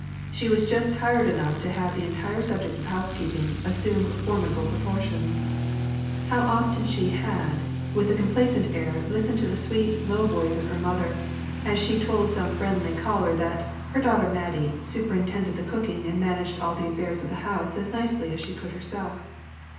She was just tired enough to have the entire subject of housekeeping assume for midable proportions. How often had she with a MIXED THINGS. I/ complacent air listened to the sweet, low voice of her mother, as she told some friendly caller that her "daughter Mattie " superintended the cooking and managed all the affairs of the house as nicely as she could herself.